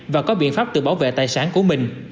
và có biện pháp tự bảo vệ tài sản của mình